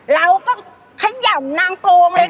เราก็ขย่ำนางโกงเลย